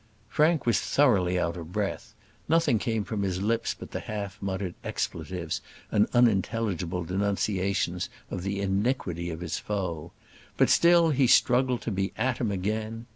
Frank was thoroughly out of breath: nothing came from his lips but half muttered expletives and unintelligible denunciations of the iniquity of his foe. But still he struggled to be at him again.